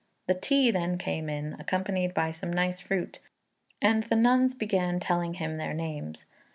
The tea then came in, accompanied by some nice fruit, and the nuns began telling him their names.